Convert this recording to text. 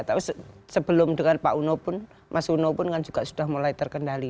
tapi sebelum dengan pak uno pun mas uno pun kan juga sudah mulai terkendali